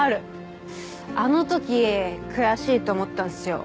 「あのとき悔しいと思ったんすよ